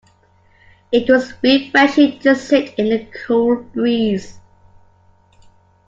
It was refreshing to sit in the cool breeze.